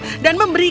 ya dan lain lebih